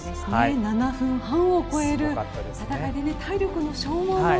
７分半を超える戦いで体力の消耗も。